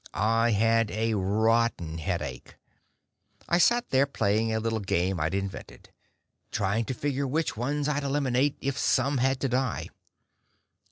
I had a rotten headache. I sat there playing a little game I'd invented trying to figure which ones I'd eliminate if some had to die.